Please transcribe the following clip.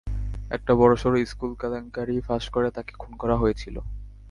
একটা বড়োসড়ো স্কুল কেলেঙ্কারি ফাঁস করায় তাকে খুন করা হয়েছিল।